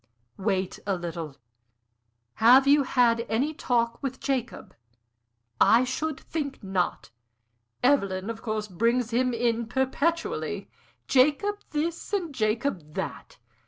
"Wait a little. Have you had any talk with Jacob?" "I should think not! Evelyn, of course, brings him in perpetually Jacob this and Jacob that.